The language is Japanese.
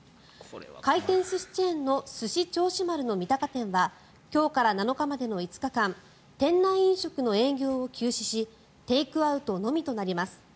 回転寿司チェーンのすし銚子丸の三鷹店は今日から７日までの５日間店内飲食の営業を休止しテイクアウトのみとなります。